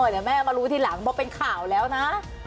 เดี๋ยวแม่มารู้ทีหลังบอกเป็นข่าวแล้วนะ